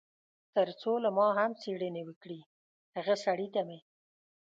تر څو له ما هم څېړنې وکړي، هغه سړي ته مې.